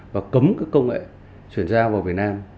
và cấm các công nghệ chuyển giao vào việt nam